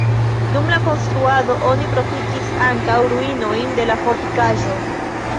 Dum la konstruado oni profitis ankaŭ ruinojn de la fortikaĵo.